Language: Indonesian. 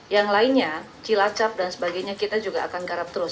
yang lainnya cilacap dan sebagainya kita juga akan garap terus